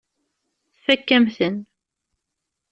Tfakk-am-ten.